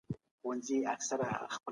تاسې هم باید همداسې اوسئ.